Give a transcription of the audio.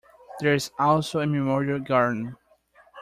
There is also a memorial garden.